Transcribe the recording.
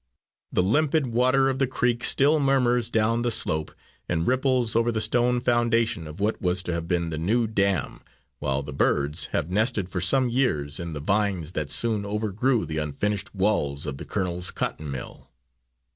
The limpid water of the creek still murmurs down the slope and ripples over the stone foundation of what was to have been the new dam, while the birds have nested for some years in the vines that soon overgrew the unfinished walls of the colonel's cotton mill.